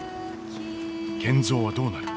賢三はどうなる？